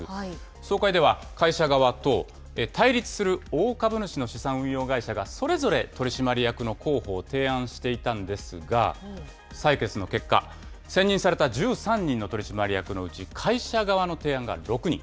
総会では、会社側と対立する大株主の資産運用会社がそれぞれ取締役の候補を提案していたんですが、採決の結果、選任された１３人の取締役のうち会社側の提案が６人。